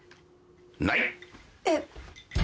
ない！えっ。